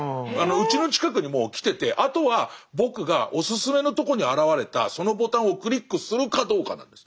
うちの近くにもう来ててあとは僕がおすすめのとこに現れたそのボタンをクリックするかどうかなんです。